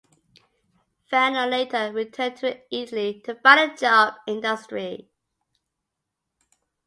Fanno later returned to Italy to find a job in industry.